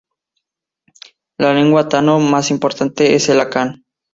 La lengua tano más importante es el akan.